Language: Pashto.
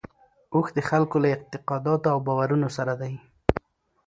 اوښ د خلکو له اعتقاداتو او باورونو سره دی.